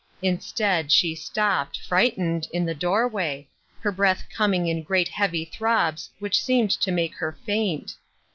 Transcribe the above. Instead, she stopped, frightened, in the doorway, her breath coming in great heavy throbs which seemed to make her faint.